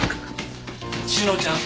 志乃ちゃん。